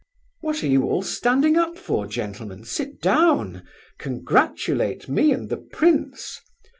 What are you all standing up for, gentlemen? Sit down; congratulate me and the prince!